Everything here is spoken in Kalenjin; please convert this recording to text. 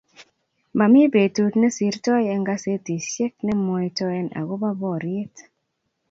Mami petut nesirtoi eng kasetisiek nemwoitoe akopo boriet